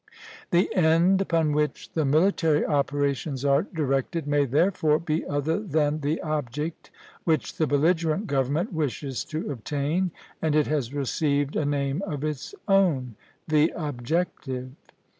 The end upon which the military operations are directed may therefore be other than the object which the belligerent government wishes to obtain, and it has received a name of its own, the objective.